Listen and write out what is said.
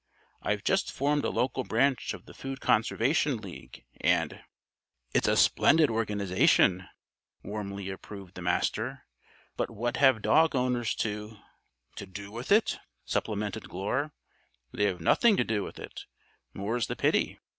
I've just formed a local branch of the Food Conservation League and " "It's a splendid organization," warmly approved the Master, "but what have dog owners to " "To do with it?" supplemented Glure. "They have nothing to do with it, more's the pity.